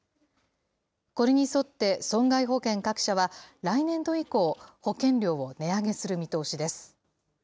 これに沿って、損害保険各社は、来年度以降、保険料を値上げする見通しです。